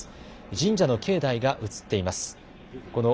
神社の境内が映っています。